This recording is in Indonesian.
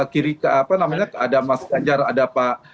kiri ke apa namanya ada mas ganjar ada pak